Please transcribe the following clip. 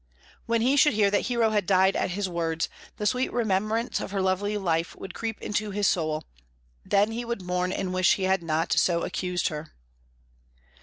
When he should hear that Hero had died at his words, the sweet remembrance of her lovely life would creep into his soul; then he would mourn and wish he had not so accused her.